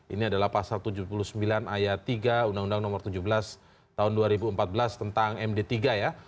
ini adalah pasal tujuh puluh sembilan ayat tiga undang undang nomor tujuh belas tahun dua ribu empat belas tentang md tiga ya